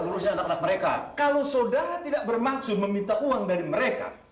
dan saya tidak minta kepada mereka pak mereka memberikannya kepada saya sebagai rasa syukur atas berhasilnya